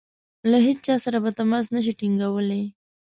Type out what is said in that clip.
له هیچا سره به تماس نه شي ټینګولای.